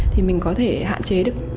thì mình có thể hạn chế được